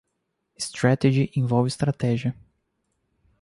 Strategy envolve estratégia.